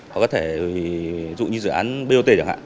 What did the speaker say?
họ có thể dụ như dự án bot